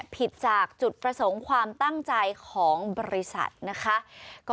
ผิดจากจุดประสงค์ความตั้งใจของบริษัทนะคะ